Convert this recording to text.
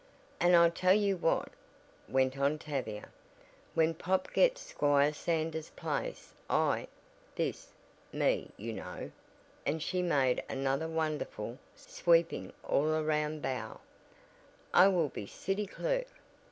"And I tell you what," went on Tavia, "when Pop gets Squire Sander's place I this me you know" and she made another wonderful, sweeping all around bow, "I will be 'city clerk.'